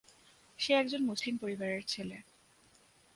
সে একজন মুসলিম পরিবারের ছেলে।